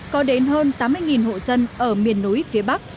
có đến hơn tám mươi hộ dân ở miền núi phía bắc